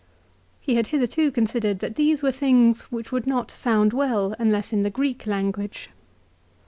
He had hitherto considered that these were things which would not sound well unless in the Greek language.